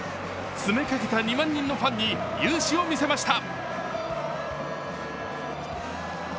詰めかけた２万人のファンに雄姿を見せました。